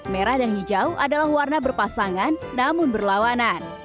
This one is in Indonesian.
merah dan hijau adalah warna berpasangan namun berlawanan